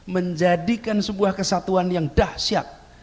menjadikan sebuah kesatuan yang dahsyat